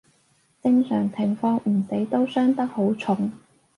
正常情況唔死都傷得好重